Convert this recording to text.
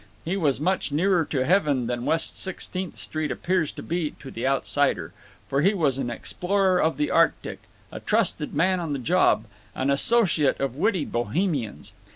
He was much nearer to heaven than West Sixteenth Street appears to be to the outsider. For he was an explorer of the Arctic, a trusted man on the job, an associate of witty Bohemians.